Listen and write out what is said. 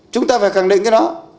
chúng ta phải khẳng định cái đó